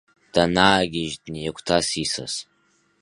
Данаагьежь, днеигәҭас исас…